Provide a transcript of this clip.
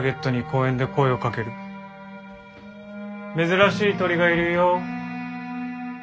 「珍しい鳥がいるよ」。